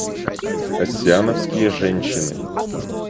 Оссиановские женщины.